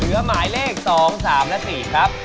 เหลือหมายเลข๒๓และ๔ครับ